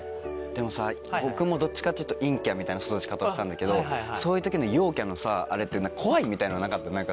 でもさ僕もどっちかっていうと陰キャみたいな育ち方をしたんだけどそういう時の陽キャのあれって怖いみたいなのなかった？